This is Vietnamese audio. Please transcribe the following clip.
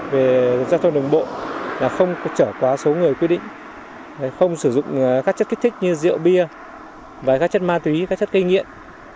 về trật tự an toàn giao thông trong đó có hai trường hợp vi phạm quy định